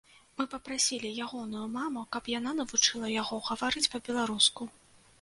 Мы папрасілі ягоную маму, каб яна навучыла яго гаварыць па-беларуску.